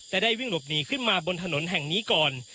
และได้วิ่งหลบหนีขึ้นมาบนถนนแห่งนี้ก่อน